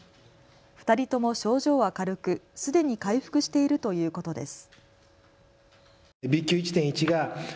２人とも症状は軽くすでに回復しているということです。